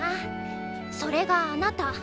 それがあなた。